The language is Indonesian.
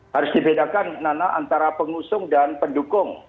harus dibedakan nana antara pengusung dan pendukung